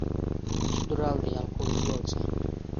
Sudraladi yalqov chuvalchang.